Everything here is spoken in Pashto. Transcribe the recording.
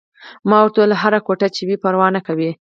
ما ورته وویل: هره کوټه چې وي، پروا نه کوي.